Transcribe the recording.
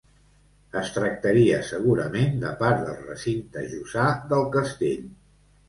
Es tractaria segurament de part del recinte jussà del castell.